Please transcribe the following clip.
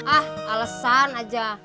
ah alesan aja